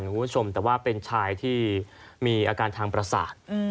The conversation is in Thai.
คุณผู้ชมแต่ว่าเป็นชายที่มีอาการทางประสาท